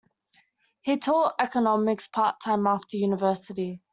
He taught economics part-time after university.